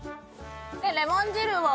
レモン汁を。